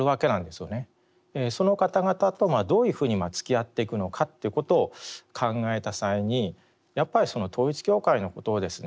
その方々とどういうふうにつきあっていくのかっていうことを考えた際にやっぱり統一教会のことをですね